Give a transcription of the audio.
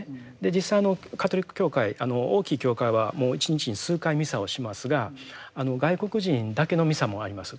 実際あのカトリック教会大きい教会はもう一日に数回ミサをしますが外国人だけのミサもあります。